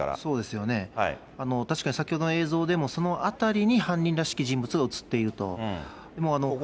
確かに先ほどの映像でも、その辺りに犯人らしき人物が映っていると。